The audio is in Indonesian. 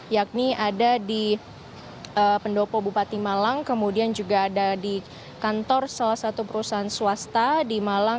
yakni ada di pendopo bupati malang kemudian juga ada di kantor salah satu perusahaan swasta di malang